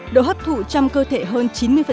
độ hấp thụ trong cơ thể hơn chín mươi